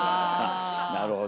なるほど。